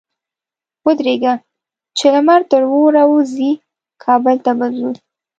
ودرېږه! چې لمر تر اوره ووزي؛ کابل ته به ځو.